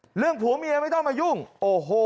ทำไมคงคืนเขาว่าทำไมคงคืนเขาว่า